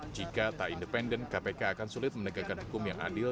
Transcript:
jika tak independen kpk akan sulit menegakkan hukum yang adil